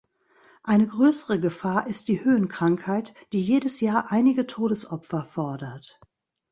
Eine größere Gefahr ist die Höhenkrankheit, die jedes Jahr einige Todesopfer fordert.